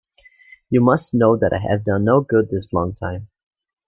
You must know that I have done no good this long time.